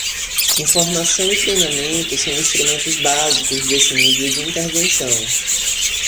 Informação e treinamento são instrumentos básicos desse nível de intervenção.